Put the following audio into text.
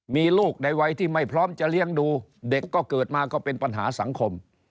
มีลูกในวัยที่ไม่พร้อมจะเลี้ยงดูเด็กก็เกิดมาก็เป็นปัญหาสังคม